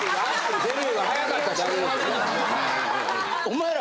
デビューが早かっただけですよね。